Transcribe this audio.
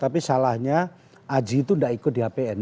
tapi salahnya aji itu tidak ikut di hpn